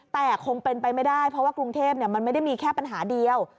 แต่คงเป็นไปไม่ได้เพราะว่ากรุงเทพมันไม่ได้มีแค่ปัญหาเดียว